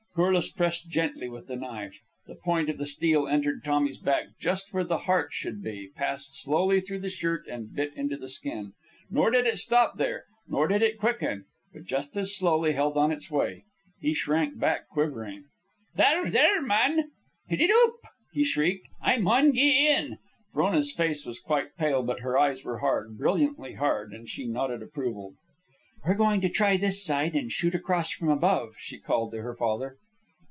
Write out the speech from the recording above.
Corliss pressed gently with the knife. The point of the steel entered Tommy's back just where the heart should be, passed slowly through the shirt, and bit into the skin. Nor did it stop there; neither did it quicken, but just as slowly held on its way. He shrank back, quivering. "There! there! man! Pit it oop!" he shrieked. "I maun gie in!" Frona's face was quite pale, but her eyes were hard, brilliantly hard, and she nodded approval. "We're going to try this side, and shoot across from above," she called to her father.